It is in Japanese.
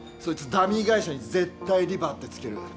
ダミー会社に絶対リバーって付ける。